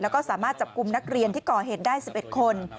แล้วก็สามารถจับกลุ่มนักเรียนที่ก่อเหตุได้๑๑คน